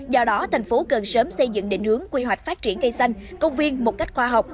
do đó thành phố cần sớm xây dựng định hướng quy hoạch phát triển cây xanh công viên một cách khoa học